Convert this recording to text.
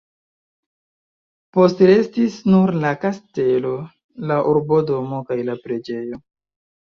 Postrestis nur la kastelo, la urbodomo kaj la preĝejo.